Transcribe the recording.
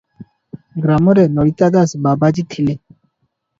ଗ୍ରାମରେ ଲଳିତା ଦାସ ବାବାଜି ଥିଲେ ।